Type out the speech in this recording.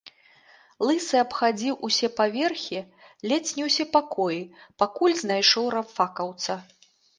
Лысы абхадзіў усе паверхі, ледзь не ўсе пакоі, пакуль знайшоў рабфакаўца.